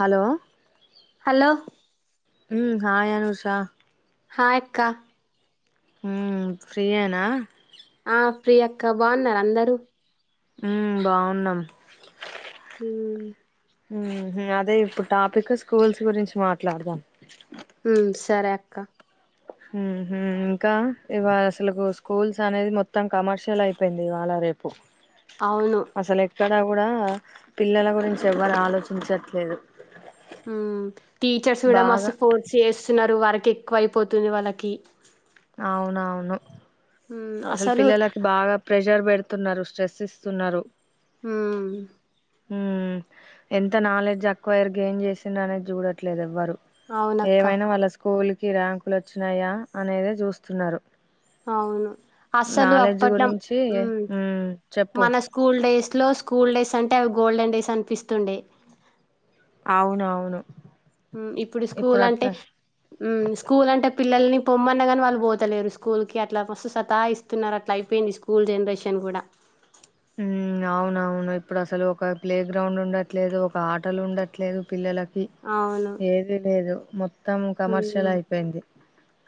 Hello లో ఉ hi Anusha. Hi అక్కా. ఉమ్ ఫ్రీయేనా. ఆ ఫ్రీ అక్కా బావున్నారా అందరూ. ఉ బావున్నాం. ఉ ఉహ్ అదే ఇప్పుడు టాపిక్ స్కూల్స్ గురించి మాట్లాడుదాం. ఉమ్ సరే అక్కా. ఉహు ఇంకా ఇవాళ అసలుకు స్కూల్స్ అనేది మొత్తం కమర్షియల్ అయిపోయింది ఇవాళ రేపు అవును. ఇంత గూడా పిల్లల గురించి ఎవ్వరు ఆలోచించట్లేదు. ఉ టీచర్స్ కూడా మస్తు బాగా ఫోర్స్ చేస్తున్నరు వర్క్ ఎక్కువయిపోతుంది వాళ్ళకి. అవునవును అసలు పిల్లలకి బాగా ప్రెషర్ పెడుత్ న్నారు స్ట్రెస్ ఇస్తున్నరు ఉ ఉ ఎంత నాలెడ్జ్ అక్వయిర్ గెన్ చేసిందనేది చూడట్లేదు ఎవ్వరు అవునక్క ఏవైనా వాళ్ళ స్కూల్కు కి ర్యాంకులు వచ్చినాయా అనేదే చూస్తున్నరు అవును అసలు అప్పట్లో గురించి ఉ ఉమ్ చెప్పు మన స్కూల్ డేస్ ట్లో స్కూల్ డేస్ అంటే అవి గోల్డెన్ డేస్ అనిపిస్తుండే అవునవును ఉ ఇప్పుడు స్కూల్ అంటే ఉ స్కూల్ అంటే పిల్లల్ని పొమ్మన్న గాని వాళ్ళు పోతలేరు స్కూల్ కి అట్లా మస్తు సతాఇస్తున్నారు అట్లా అయిపోయింది స్కూల్ జనరేషన్ గూడా ఉ అవునవును ఇప్పుడసలు ఒక ప్లే గ్రౌండ్ ఉండట్లేదు ఒక ఆటలు ఉండట్లేదు పిల్లలక్ ది అవును ఏది లేదు మొత్ త్తం కమర్షియల్ హ్మ్ అయిపోయింది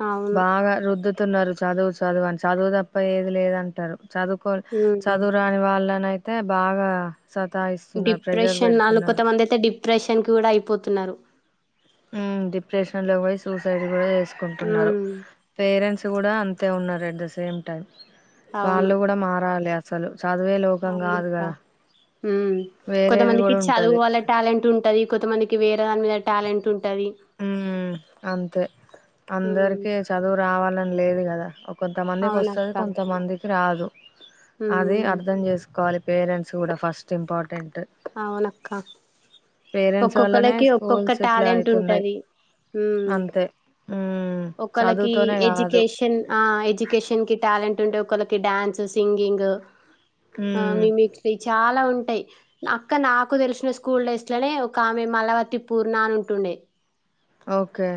అవును బాగా రుద్దుత్ తున్నారు చదువు చదువు అని చదువు తప్ప ఏది లేదంటరు చదువుకోర్ హ్మ్ చదురు వాళ్ళనయితే బాగా సతాయిస్తున్నారు ప్రెషర్ డిప్రెషన్ నాలుల్కొ పెడుతున్నారు త వందైతే డి డిప్రెషన్ కి కూడా అయిపోతున్నారు డిప్రెషన్ లో పోయి సూసైడ్ కూడా చేస్త కుంటు హ్మ్ పేరెంట్స్ కూడా అంతే ఉన్నారు ఎట్ ద సేమ్ టైం వాళ్ళు కూడా మారాలి అస చాల అవును అక్క వేరేది కొంతమందికి కూడా చదువు ఉంటది వళ్ళ టాలెంట్ ఉంటది కొంతమందికి వేరే దని మీద టాలెంట్ ఉంట ఉ అంతే హ్మ్ అందరికి చదువు రావాలని లేదు కదా కొంతమందికి వస్తుంది అవునక్క కొంతమందికి రాదు అది హ్మ్ అర్ధం చేసుకోవాలి పేరెంట్స్ కూడా ఫస్ట్ ఇంపార్టెంట్ అవునక్క పేరెంట్స్ వల్లనే ఒక్కొక్కరికి ఒక్కొక్క స్కూల్స్ ఇట్లా టాలెంట్ అయితున్నాయి ఉంటది హ అంతే మ్మ్ ఒకళకీ చదువుతోనే కాదు ఎడ్యుకేషన్ ఆ ఎడ్యుకేషన్ కి టాలెంట్. అంటే ఒకళకి డ్యాన్స్, సింగింగ. ఆ మ్మ్ మీమిక్రీ చాలా ఉంటాయి. అక్క నాకు తెలిసిన స్కూల్ డేస్ లోనే ఒక్క ఆమె మలవతి పూర్ణా అని ఉంటుండే. ఓకే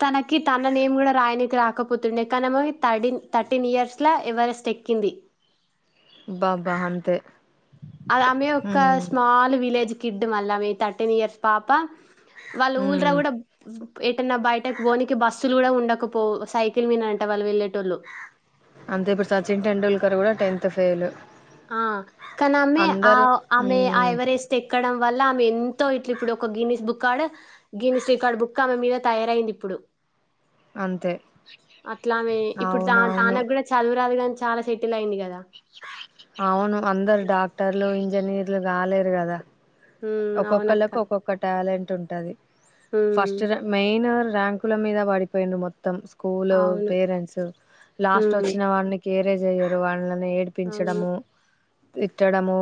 తనకి తన నేమ్ గూడ రాయనీకి రాకపోతుండే, కానామే థర్డీన్ థర్టీన్ ఇయర్స్లా ఎవరెస్ట్ ఎక్కింది. బాబా హంతే అది ఆమె ఒకా స్మాల్ విలేజ్ కిడ్ మల్లా ఆమె థర్టీన్ ఇయర్స్ పాపా వాళ్ళ ఊర్ల గూడా ఎటన్నా బయటక్ పోనికి బస్సులు గూడా ఉండకపోవు. సైకిల్ మీనే అంట వాళ్ళు వెళ్ళేటోళ్ళు. అంతే ఇప్పుడు సచిన్ టెండుల్కర్ గూడా టెన్త్ ఫెయిలు. ఆ కానామే ఆ ఆమె ఆ మ్మ్ ఎవరెస్ట్ ఎక్కడం వల్లా ఆమె ఎంతో ఇట్లు ఇప్పుడు ఒక గిన్నీస్ బుక్క్కాడ, గిన్నీస్ రికార్డు బుక్ ఆమె మీద తయారయింది ఇప్పుడు. అంతే అట్లామే ఇప్పుడు తాన్ అవునవును తానకు గూడా చదువురాదు గాని చాలా సెటెల్ అయింది గదా. అవును. అందరు డాక్టర్లూ, ఇంజనీర్ ర్లూ కాలేరు గదా. ఉమ్ అవునక్క ఒక్కొక్కళ్ళకు ఒక్కొక్క టాలెంట్. టుంటది ఉమ్ ఫస్ట్ రా మెయిన్ ర ర్యాంకుల మీద పడిపోయిండ్రు మొత్తం. స్కూలు అవును పేరెంట్స, లాస్ట్ ఉమ్ వచ్చిన వాళ్ళని కేర్ కేర్ చెయ్యరు వాళ్ళని అవును ఏడ్పించడమూ తిట్టడముూ,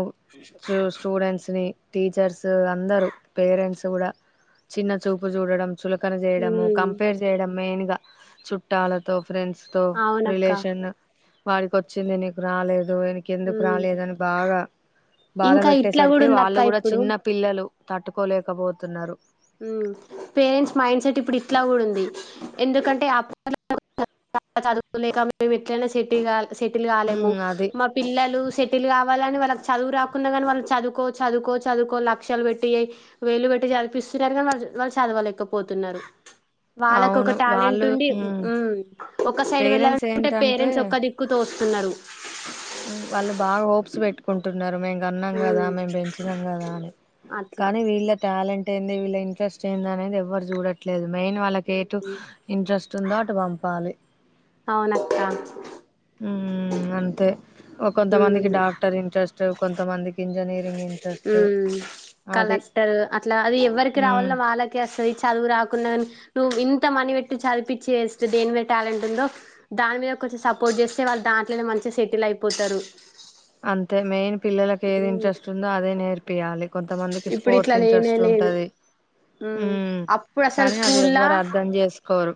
స్టూడెంట్స్ నీ టీచర్స్ తరు అందరూ పేరెంట్స్ గూడా చిన్న చూపు చూడడం. చులకన జేయడమూ, ఉమ్ కంపేర్ జేయడం మెయిన్ గా. చుట్టాలతో ఫ్రెండ్స్ తో, అవునక్క రిలేషన వాడికి ఒచ్చింది నీకు రాలేద్. నువేనికి ఎందుకు ఉమ్ రాలేదని బాగా, బాధ ఇంకా ఇట్లా కూడా పెట్టేసరికి ఉందక్క వాళ్ళు గూడా ఇప్పుడు చిన్న పిల్లలు తట్టుకోలేకపోతున్నారు. ఊ పేరెంట్స్ మైండ్ సెట్ ఇప్పుడు ఇట్లా గూడా ఉంది. ఎందుకంటే అ [inaudible] [inaudible] చదువులేక మేము ఎట్లైనా సెటిల్ కావ సెటిల్ గాలేము. ఉమ్ అది మా పిల్లలు సెటిల్ గావ వాళ్ళని వాళ్ళకి చదువు రాకున్నా గానీ వాళ్ళు చదువుకో చదువుకో చదువుకో లక్షలు పెట్టి వేల్లు పెట్టి చదిపిస్త తారు కానీ వాళ్ళు వాళ్ళు చదవలేక పోతున్నారు వాళ్ళకు ఒక అవును టాలెంట్ వాళ్ళు ఉండి ఉమ్ హ్మ్ ఒక్క సైడ్ పేరెంట్స్ వెళ్ళాలనుకుంటే పేరెంట్స్ ఒక్క దిక్కు తోస్తున్నారు ఉహ్ వాళ్ళు బాగా హోప్స్ పెట్టుకుంటున్నారు మేము కన్నాం కదా ఉమ్ మేము పెంచినాం కదా అని అట్లా కానీ వీళ్ళ క్ టాలెంట్ ఏంది వీళ్ళ ఇంట్రెస్ట్ ఏంది అనేది ఎవరు చూడట్లేదు మెయిన్ వాళ్ళకి ఎటు ఉమ్ ఇంట్రెస్ట్ చుందాటు పంపాలి అవునక్కా ఉహ్ అంతే ఓ కొంతమందికి డాక్టర్ ఇంట్రెస్ట్ కొంతమందికి ఇంజనీరింగ్ ఇంట్రెస్ట్ ఉహ్ అది కలెక్టర్ అట్లా అది ఎవరికి మ్మ్ రావల్లో వాళ్ళకే వస్తది చదువు రాకున్నా కానీ, నువ్వు ఇంత మంది పెట్టి చదివిపిచ్చి చేస్తే దేని మీద టాలెంట్ ఉందో, దాని మీద కొంచెం సపోర్ట్ చేస్తే వాళ్ళు దాంట్లోనే మంచిగా సెటిల్ అయిపోతారు. అంతే మెయిన్ పిల్లలకి ఏది ఉమ్ ఇంట్రెస్ట్ ఉందో అదే నేర్పియాలి కొంతమందికి ఇప్పుడు స్పోర్ట్స్ ఇట్లా లేనే ఇంట్రెస్ట్ లేదు ఉంటది ఉమ్ ఉహ్ అప్పుడు అసలు కానీ అది స్కూల్లా ఎవ్వరు అర్థం చేసు కోరు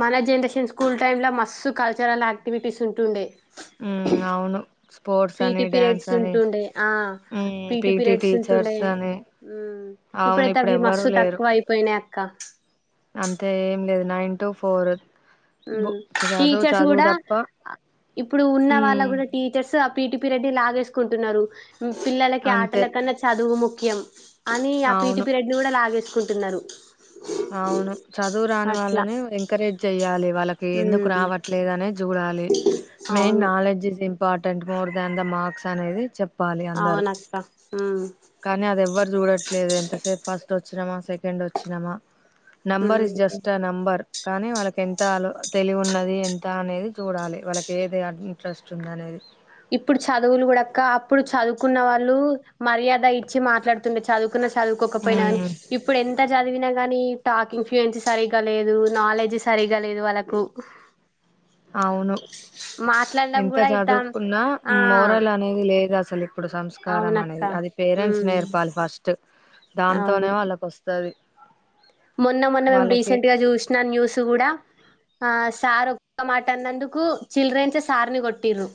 మన జనరేషన్ స్కూల్ టైమ్ లో మస్తు కల్చరల్ యాక్టివిటీస్ ఉంటుండే మ్మ్ అవును స్పోర్ట్స్ అని పీటి డ్యాన్స్ పీరియడ్స్ అని ఉంటుండే ఆహ్ హ్మ్. పీటి పీటీ పీరియడ్స్ ఉంటుండే టీచర్స్ అని ఉహ్ అవును ఇప్పుడైతే ఇప్పుడు అవి ఎవ్వరూ మస్తు లేరు. తక్కువ అయిపోయినాయి అక్ క్క అంతే ఏం లేదు నైన్ టు ఫోర్ ఆహ్ టీచర్స్ కూడా తప్ప ఆ ఇప్పుడు ఉన్న వాళ్ళ హ్మ్. కూడా టీచర్స్ ఆ పీటి పీరియడ్ ని లాగేసుకుంటున్నారు పిల్లలకి అంతే. ఆటల కన్నా చదువు ముక్ ముక్యం అని ఆ పీటి అవును. పిరయడ్ ని కూడా లాగేస్ కుంటున్నారు అవును చదువు రాని వాళ్ళని ఎంకరేజ్ జెయ్యాలి వాళ్ళకి ఎందుకు ఉమ్ రావట్లేదు అని చూడాలి మెయిన్ అవును నాలెడ్జ్ జి important more than the marks అనేది చెప్పా అవునక్క ఆహ్ కానీ అది ఎవ్వరు చూడట్లేదు, ఎంతసేపు ఫస్ట్ వచ్చినమా సెకండ్ వచ్చినమా number is um just a number కానీ వాళ్ళకి ఎంత అలవ్ తెలివు ఉన్నది. ా అనేది చూడాలి వాళ్ళకి ఏది ఇంట్రెస్ట్ ఉంది అనేది ఇప్పుడు చదువులు కూడా అక్క అప్పుడు చదువుకున్న వాళ్ళు మర్యాద ఇచ్చి మాట్లాడుతుండే చదువు చదువుకోకపోయినా కాని మ్మ్ ఇప్పుడు ఎంత అంత చదివినా గాని టాకింగ్ ఫ్యూన్స్ సరిగ్గా లేదు నాలెడ్జ్ సరి్గా లేదు వాళ్ళకు అవును మాట్లాడడంం కూడా ఇయిద్దాం న్నా మోరల్ అనేది లేదు అసలు ఇప్పుడు సంస్కారం అవునక్క అనేది అది పేరెంట్స్ ఉమ్ నేర్పాలి ఫస్ట్ అవును దాంతోనే వాళ్ళకు వస్తుంది తది మొన్న మొన్న మేము రీసెంట్ గా చూసినం న్యూస్ కూడా ఆ సార్ ఒక్క మాట అన్నందుకు చిల్డ్రెన్స్ సార్ ని కొట్టి్రు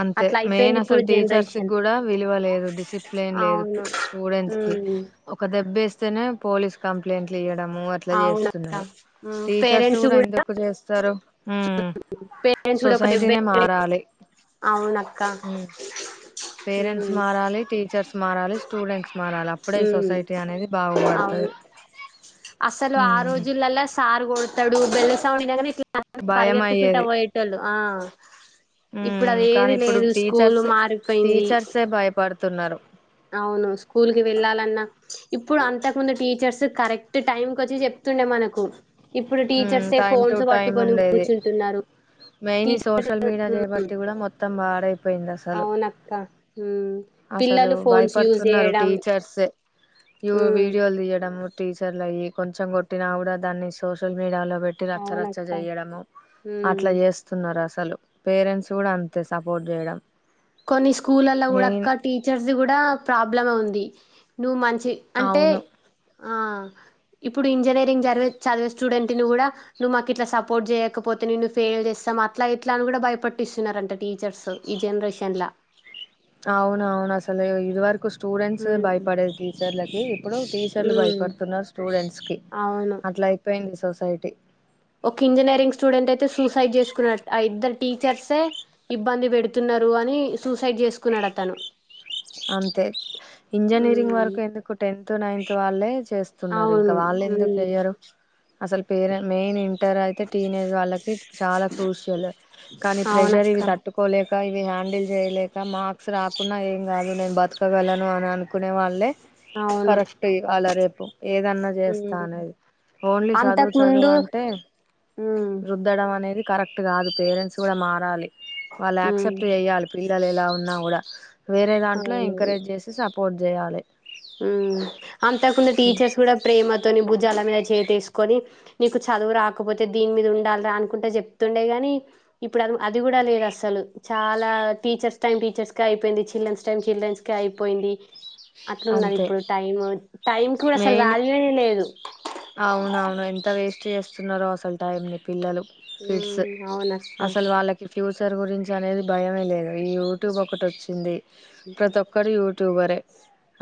అంతే మెయిన్ అసలు టీచర్స్ కి కూడా విలువ లేదు డిసిప్లిన్ లేదు అవును స్టూడెంట్స్ కి ఉమ్ ఒక దెబ్బే పోలీస్ కంప్లైంట్లు అట్లా అవునక్క చేస్తున్నారు ఉమ్ టీచర్స్ పేరెంట్స్ కూడా ఎందుకు చేస్తారు పేరెంట్స్ కూడా ఒక దెబ్బ సొసైటీనే మారాలి అవునక్క పేరెంట్స్ ఉమ్ మారాలి టీచర్స్ స్మారాలీ స్టూడెంట్స్ మారాలి అప్పుడే ఉ ఈ సొసైటీ అనేది అవును బాగుపడుతది అసలు ఆ ఉమ్ రోజులలా సార్ తాడు బెల్ సౌండ్ వినగానే ఇ భయం పరిగెత్తుకుంటా పోయేటోళ్ళు ఆ ఇప్పుడు అది ఉ కానీ ఏది ఇప్పుడు లేదు స్కూల్ టీచర్స్ మారిపోయింది టీచర్స్ే భయపడుతున్నారు అవును స్కూల్ కి వెళ్ళాలన్నా ఇప్పుడు అంతకు ముందు టీచర్స్ కరెక్ట్ టైం క వచ్చి చెప్తుండే మనకు ఇప్పుడు టీచర్సే టైం టు ఫోన్స్ టైం పట్టుకని ఉండేది కూర్చుంటున్నారు మెయిన్ ఈ టీచర్స్ సోషల్ మీడియా చేయబట్టి కూడా మొత్తం పాడైపోయింది అసలు అవునక్క అసలు పిల్లలు ఫోన్స్ యూజ్ భయపడుతున్నారు చేయడం టీచర్స్ ఇ ఉమ్ వీడియోలు తీయడం టీచర్లు అయ్యి కొంచెం కొట్టినా కూడా దాన్ని చో మేడాల పెట్టి రచ్చరచ్చ అవునక్క చెయడ ఉమ్ అట్లా చేస్తున్నారు అ అసలు పేరెంట్స్ కూడా అంతే సపోర్ట్ చేయడం కొన్ని స్కూల్ల్లో మెయిన్ కూడాడక టీచర్స్ి కూడా ప్ర బ్ ఉంది నువ్వు మంచి చి అంటే అవును ఆ ఇప్పుడు ఇంజనీరింగ్ చదివే చదివే స్టూడెంట్ ని కూడా ఇప్పుడు ఇంజనీరింగ్ చదువు చదివే స్టూడెంట్ నీ గూడ నువ్వు మాకు ఇట్లా సపోర్ట్ జేయకపోతే నిన్ను ఫెయిల్ జేస్తం అట్లా ఇట్లా అని కూడా భయపట్టిస్తున్నారంట టీచర్స్ ఈ జనరేషన్ ఎన్లా అవును అవును అసలు ఇది వరకు స్క్ స్టూడెంట్స్ ఉమ్ భయపడేది టీచర్లకి ఇప్పుడు టీ చళ్ళు బయి ఉమ్ పడుతున్నా స్ట్రో స్కి అవును అట్లా అయిపోయింది సస్ సైటి ఒక ఇంజనీరింగ్ స్టూడెంట్ అయితే సూసైడ్ చేసుకున్నాడ్ ఆ ఇద్దరు టీచర్సే ఇబ్బంది పెడుతున్నారు అని సూసైడ్ చేసుకున్నాడ్ అతను అంతే ఇంజనీరింగ్ వరకు ఉమ్ ఎందుకు టెన్త్ నైన్త్ టువాలేజ్ చేస్తున్నారు ఇంకా అవును వాలెన్డూకు ఉమ్ చెయరు అసలు పేరె మెయిన్ ఇంటర్ అయితే టీనేజ్ వాళ్ళకి చాలా క్రూషియల్ కానీ ప్రెషర్ అవునక్క ఇవి తట్టుకోలేక ఇవి హ్యాండిల్ జెయలేక మాక్స్ రాకుంన్నా ఏం గాదు నేను బతుక గలను అని అనుకునే వాళ్ళే అవును కరెక్ట్ అలరే ఏదన్నా జెస్తా ఉమ్ అనేది ఓన్లీ చదువు అంతకు ముందు చదువు అంటే ఉమ్ రుద్దడం అనేది కరెక్ట్ అట్ కాదు పేరెంట్స్ గుడ మారాలి ఉమ్ వాల్లక్సెప్ట్ జెయ్యాలి పిల్లలు ఎలా ఉ ఉన్నా గుడా వేరే దా ఇట్ల ఎంకరేజ్ జెస్తే సప్ సపోర్ట్ జెయాలే ఉ అంతకున్న టీచర్స్ గుడ ప్రేమతోని భుజాల మీద చే తీసుకుని నీకు చదువు రాకపోతే దీనిమీద ఉండాల్ రా అనుకుంట జెప్తుండే గాని ఇప్పుడు అది గుడ లేదు అస్సలు చాలా టీచర్స్ టైం టీచర్స్ క అయిపోయింది చిల్డ్రన్స్ టైమ్ చిల్డ్రన్స్ కె అయిపోయింది అట్లున్నరు అంతే ఇప్పుడు టైము టైం కూడా అసలు మెయిన్ వాల్యూ ఏ లేదు చేస్తున్నరో అసలు టైంని పిల్లలు ఫిడ్స్ ఉమ్ అవునక్క అసలు వాళ్ళకి ఫ్యూ సర్ గురించి అనేది భయమే లేదు ఈ యూట్యూబ్ ఒకటి ఒచ్చింది అంతే ప్రతి ఒక్కరు యూట్యూబరే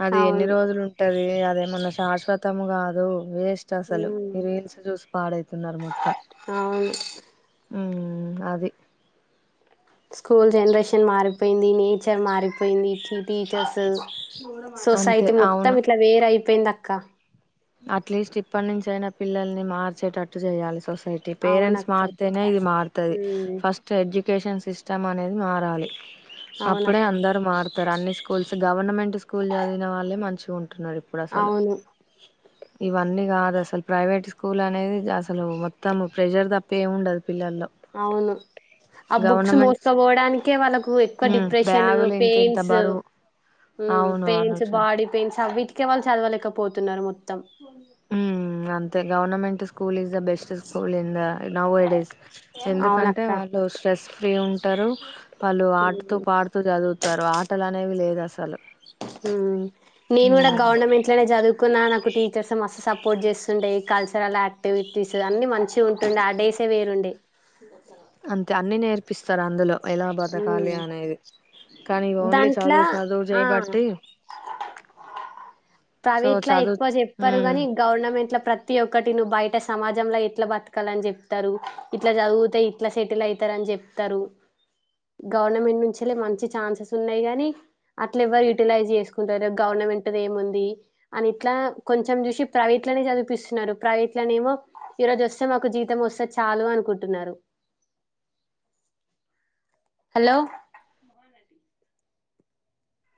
అది ఎన్ని అవును రోజులు ఉంటాయి ది అదేమన్న శాశ్వతం గాదు వేస్ట్ అసలు ఉమ్ ఈ రీల్స్ జుసి పాడైతున్నారు మొత్తం అవును హ్మ్ హ్మ్ అది స్కూల్ జన్రేషన్ మారిపోయింది నేచర్ మారిపోయింది చి టీచర్సు అంతే సొసైటీ అవును మొత్తం ఇట్లా వేరయి పెయిందక్క అట్లీస్ట్ ఇప్పటి నుంచి అయినా పిల్లల్ని మార్చేటట్టు చేయాలి పేరెంట్స్ అవునక్క మార్తేనే ఇది మారుతుంది ఉమ్ ఫస్ట్ ఎడ్య ఎడుకేషన్ సిస్టమ్ అనేది మారాలి అప్పుడే అవునక్క అందరు మారుత ఇ అన్ని స్కూల్స్ గవర్నమెంట్ స్కూల్ చదివిన వాళ్ళే మంచిగా ఉంట న్నారుడు ఇప్పుడు అసలు అవును ఇవన్నీ కాదు అసలు ప్రైవేట్ స్కూల్ అనేది అసలు మొత్తం ప్రెషర్ తప్ప ఏమి ఉండదు పిల్లల్లో అవును ఆ బుక్స్ గవర్నమెంట్ స్కూ- మోసుకోపోవడానికే వాళ్ళకు ఎక్కువ ఉమ్, డిప్రెషన్ బ్యాగులు ఇంత ఇంత పెయిన్స్ బరువు అవును పెయిన్స్ అనుష బాడీ పెయిన్స్ అవి ఇక్కే వాళ్ళు చదవలేకపోతున్నారు మొత్తం హ్మ్ అంతే government school is the best school in the nowadays ఎందుకంటే అవునక్క వాళ్ళు స్ట్రెస్ ప్రూమ్స్ అంటారు పళ్ళు ఆడుతూ ఉమ్ పాడుతూ చదువుత తర్వాతలు అనేవి లేదు అసలు నేను కూడా హ్మ్ గవర్నమెంట్ లోనే చదువుకున్నా నాకు టీచర్స్ మస్తు స సపోర్ట్ చేస్తుండే కల్చరల్ యాక్టివిటీస్ అన్ని మంచిగా ఉంటుండే ఆ డేసే వేరుండే అంతే అన్ని నేర్పిస్తారు అందులో ఎలా బతకాలి అనేది కానీ ఓన్లీ దాంట్లో చదువు చదువు ఆ చేయబట్టి సో ప్రైవేట్లా చదువు ఎక్కువ చెప్పారు హ్మ్ కానీ గవర్నమెంట్ లో ప్రతి ఒక్కటి నువ్వు బయట అంటే సమాజంలో ఎట్లా బతకాలని చెప్తారు ఇట్లా చదివితే ఇట్లా సెటిల్ అయితారుని చెప్తారు గవర్నమెంట్ నుంచ మంచి ఛాన్సెస్ ఉన్నాయి గాని అట్లా ఎవ్వరు యూటిలైజ్ చేసుకుంటారు గవర్నమెంట్ ఏముంది అని ఇట్లా కొంచెం చూసి ప్రైవేట్ లోనే చదిపిస్తున్నారు ప్రైవేట్ లోనే ఏమో ఈరోజు వస్తే మాకు జీతం వస్తే చాలు అనుకుంటున్నారు హలో